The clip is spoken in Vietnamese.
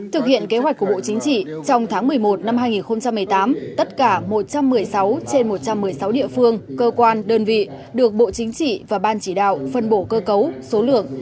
thực hiện kế hoạch của bộ chính trị trong tháng một mươi một năm hai nghìn một mươi tám tất cả một trăm một mươi sáu trên một trăm một mươi sáu địa phương cơ quan đơn vị được bộ chính trị và ban chỉ đạo phân bổ cơ cấu số lượng